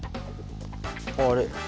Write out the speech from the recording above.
あれ？